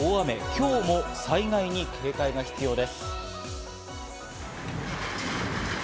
今日も災害に警戒が必要です。